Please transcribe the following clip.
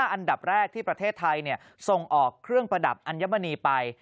อันดับแรกที่ประเทศไทยส่งออกเครื่องประดับอัญมณีไป